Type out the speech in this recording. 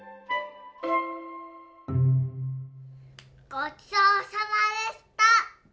ごちそうさまでした。